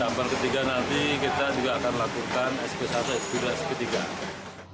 gambar ketiga nanti kita juga akan lakukan sp satu sp dua sp tiga